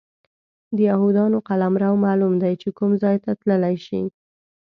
د یهودانو قلمرو معلوم دی چې کوم ځای ته تللی شي.